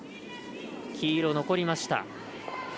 黄色残りました。